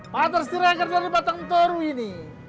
patar sirekar dari batang toru ini